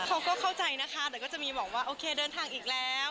เขาก็เข้าใจนะคะแต่ก็จะมีบอกว่าโอเคเดินทางอีกแล้ว